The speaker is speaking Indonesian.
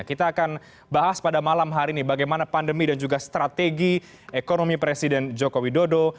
kita akan bahas pada malam hari ini bagaimana pandemi dan juga strategi ekonomi presiden joko widodo